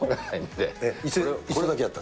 これだけやった？